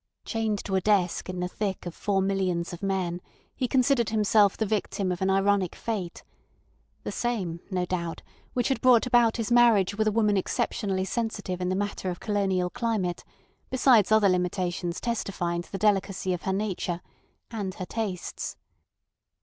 Chained to a desk in the thick of four millions of men, he considered himself the victim of an ironic fate—the same, no doubt, which had brought about his marriage with a woman exceptionally sensitive in the matter of colonial climate, besides other limitations testifying to the delicacy of her nature—and her tastes.